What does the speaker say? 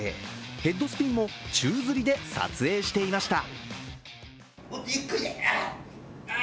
ヘッドスピンも宙づりで撮影していました。